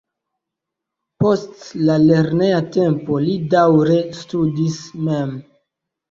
Post la lerneja tempo li daŭre studis mem.